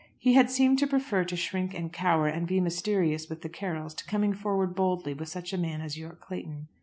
He had seemed to prefer to shrink and cower and be mysterious with the Carrolls to coming forward boldly with such a man as Yorke Clayton.